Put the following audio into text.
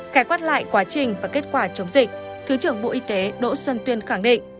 khai quát lại quá trình và kết quả chống dịch thứ trưởng bộ y tế đỗ xuân tuyên khẳng định